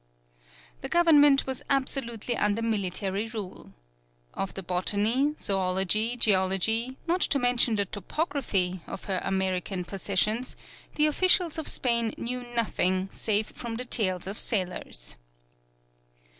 The Government was absolutely under military rule. Of the botany, zoology, geology, not to mention the topography, of her American possessions, the officials of Spain knew nothing save from the tales of sailors.